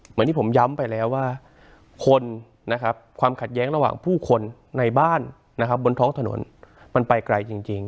เหมือนที่ผมย้ำไปแล้วว่าคนนะครับความขัดแย้งระหว่างผู้คนในบ้านนะครับบนท้องถนนมันไปไกลจริง